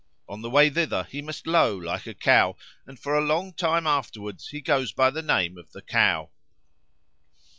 On the way thither he must low like a cow, and for a long time afterwards he goes by the name of the Cow.